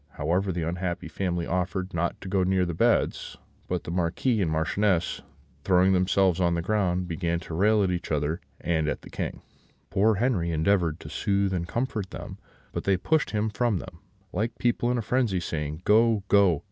However, the unhappy family offered not to go near the beds; but the Marquis and Marchioness, throwing themselves on the ground, began to rail at each other and at the King. Poor Henri endeavoured to soothe and comfort them; but they pushed him from them, like people in a frenzy, saying, 'Go, go!